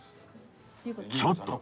ちょっと！